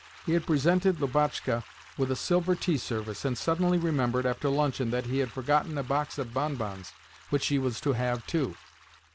He had presented Lubotshka with a silver tea service, and suddenly remembered, after luncheon, that he had forgotten a box of bonbons which she was to have too.